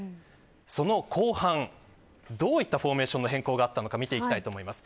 その後半、どういったフォーメーションの変更があったのか見ていきます。